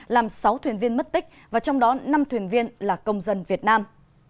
làm sáu thuyền viên mất tích và trong đó năm thuyền viên là công dân việt nam